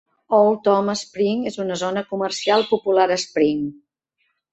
Old Town Spring és una zona comercial popular a Spring.